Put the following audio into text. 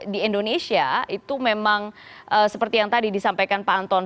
di indonesia itu memang seperti yang tadi disampaikan pak anton